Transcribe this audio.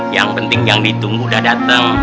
yang penting yang ditunggu udah datang